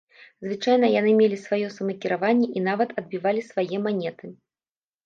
Звычайна, яны мелі сваё самакіраванне і нават адбівалі свае манеты.